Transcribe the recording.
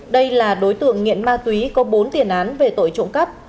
đây là đối tượng nghiện ma túy có bốn tiền án về tội trộm cắp